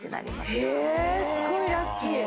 すごいラッキー。